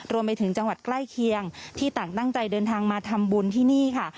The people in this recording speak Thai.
รวมไปถึงจังหวัดใกล้เคียงที่ต่างตั้งใจเดินทางมาทำบุญที่นี่ค่ะ